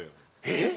えっ！？